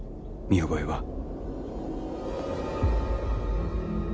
「見覚えは？」